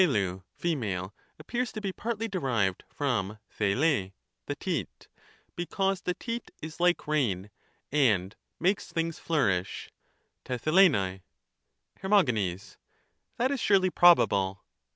iXv (female) appears to be partly derived from OTjXrj (the teat), because the teat is like rain, and makes things flourish {redrjXivai). Her. That is surely probable.